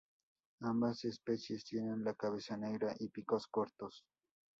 Ambas especies tienen la cabeza negra y picos cortos.